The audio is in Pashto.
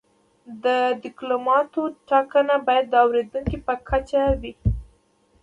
د کلماتو ټاکنه باید د اوریدونکي په کچه وي.